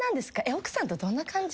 奥さんとどんな感じ？